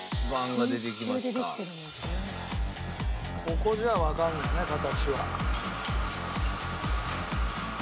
ここじゃわかんないね形は。